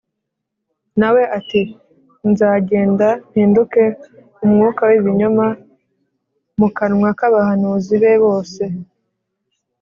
Na we ati ‘Nzagenda mpinduke umwuka w’ibinyoma mu kanwa k’abahanuzi be bose’